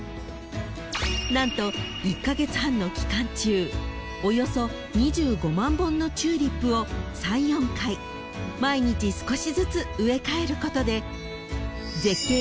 ［何と１カ月半の期間中およそ２５万本のチューリップを３４回毎日少しずつ植え替えることで］